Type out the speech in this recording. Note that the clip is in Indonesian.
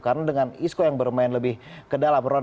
karena dengan isco yang bermain lebih ke dalam